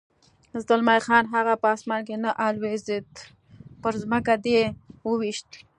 زلمی خان: هغه په اسمان کې نه الوزېد، پر ځمکه دې و وېشت.